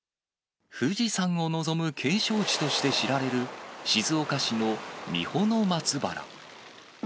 富士山を望む景勝地として知られる静岡市の三保松原。